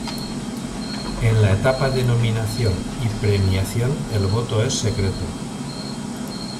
En la etapa de nominación y premiación, el voto es secreto.